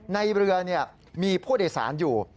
ในเรือมีผู้โดยสารอยู่